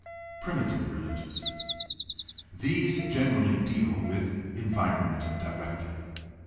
a) Primitive religions.— These generally deal with environment directly.